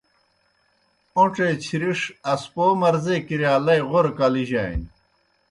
اون٘ڇھے چِھرِݜ اسپو مرضے کِرِیا لئی غورہ کلیجانیْ۔